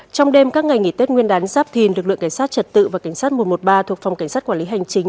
trong đêm các ngày nghỉ tết nguyên đán giáp thìn lực lượng cảnh sát trật tự và cảnh sát một trăm một mươi ba thuộc phòng cảnh sát quản lý hành chính